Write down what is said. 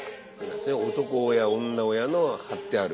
男親女親のを張ってある。